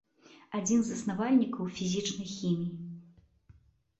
Адзін з заснавальнікаў фізічнай хіміі.